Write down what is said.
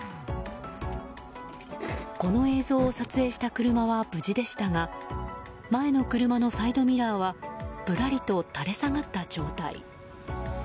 この映像を撮影した車は無事でしたが前の車のサイドミラーはぶらりと垂れ下がった状態。